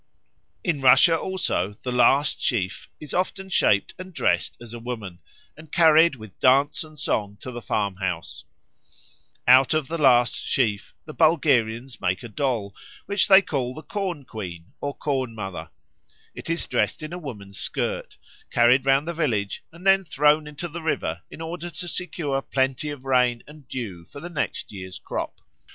In Russia also the last sheaf is often shaped and dressed as a woman, and carried with dance and song to the farmhouse. Out of the last sheaf the Bulgarians make a doll which they call the Corn queen or Corn mother; it is dressed in a woman's shirt, carried round the village, and then thrown into the river in order to secure plenty of rain and dew for the next year's crop.